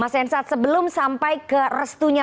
mas hensat sebelum sampai ke restunya